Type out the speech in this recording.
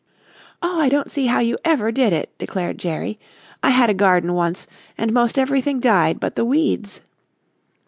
"Oh, I don't see how you ever did it," declared Jerry. "I had a garden once and most everything died but the weeds."